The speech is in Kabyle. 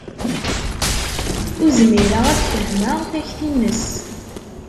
Ur zmireɣ ad fehmeɣ takti-nnes.